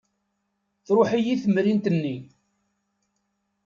Truḥ-iyi temrint-nni.